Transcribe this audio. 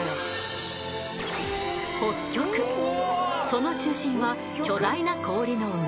その中心は巨大な氷の上。